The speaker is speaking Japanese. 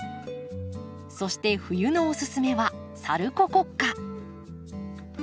そして冬のおすすめはサルココッカ。